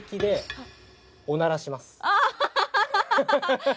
ハハハハ！